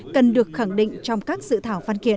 cần được khẳng định trong các dự thảo văn kiện